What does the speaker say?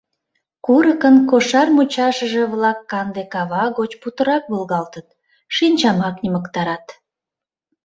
Курыкын кошар мучашыже-влак канде кава гоч путырак волгалтыт, шинчамак йымыктарат.